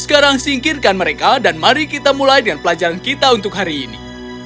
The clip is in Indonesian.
sekarang singkirkan mereka dan mari kita mulai dengan pelajaran kita untuk hari ini